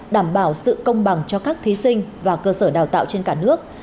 đảm bảo sự công bằng cho các thí sinh và cơ sở đào tạo trên cả nước